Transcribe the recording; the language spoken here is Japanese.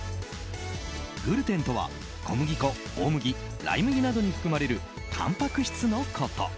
グルテンとは小麦粉、大麦ライ麦などに含まれるたんぱく質のこと。